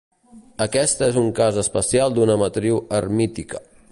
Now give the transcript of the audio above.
Aquest és un cas especial d'una matriu hermítica.